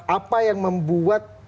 apa yang membuat